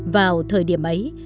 vào thời điểm ấy